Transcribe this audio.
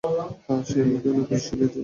হ্যাঁ, সে আমাকে অনেক কিছু শিখিয়েছে।